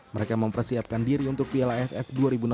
mereka mempersiapkan diri untuk piala aff dua ribu enam belas